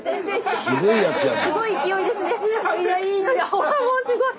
ほらもうすごい！